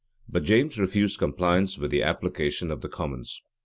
But James refused compliance with the application of the commons.